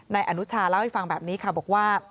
นายอนุชาเล่าให้ฟังแบบนี้ค่ะบอกว่า